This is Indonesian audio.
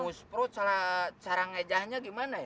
muspro cara ngejaannya gimana ya